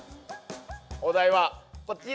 お題はこちらです！